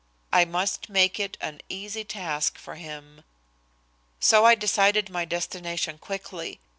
I must make it an easy task for him. So I decided my destination quickly.